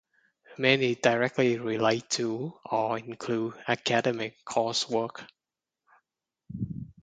Many directly relate to or include academic coursework.